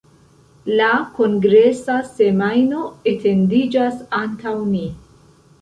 La kongresa semajno etendiĝas antaŭ ni.